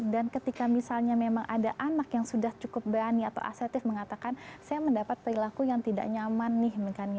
dan ketika misalnya memang ada anak yang sudah cukup berani atau asetif mengatakan saya mendapat perilaku yang tidak nyaman nih